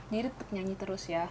jadi tetep nyanyi terus ya